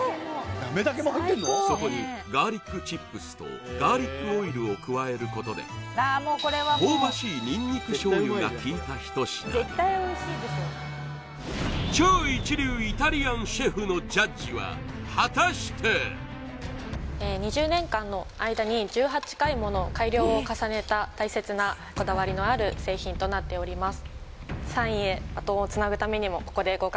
そこにガーリックチップスとガーリックオイルを加えることで香ばしいニンニク醤油が効いた一品に超一流イタリアンシェフのジャッジは果たして２０年間の間に１８回もの改良を重ねた大切なこだわりのある製品となっております